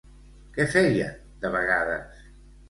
Què feien de vegades?